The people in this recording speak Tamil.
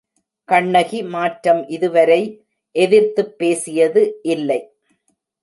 கண்ணகி மாற்றம் இதுவரை எதிர்த்துப் பேசியது இல்லை.